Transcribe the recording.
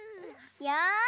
よし！